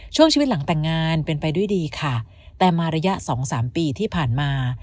ช่วงชีวิตหลังแต่งงานเป็นไปด้วยดีค่ะแต่มาระยะสองสามปีที่ผ่านมา